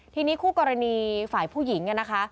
ทีนี้คู่กรณีฝ่ายผู้หญิงนะคะ